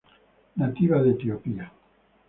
Nativa de Etiopía.